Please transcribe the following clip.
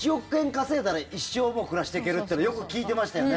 稼いだら一生暮らしていけるっていうのよく聞いてましたよね。